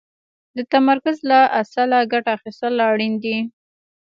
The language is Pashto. د تمرکز له اصله ګټه اخيستل اړين دي.